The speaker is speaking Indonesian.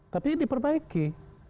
tapi ini diperbaiki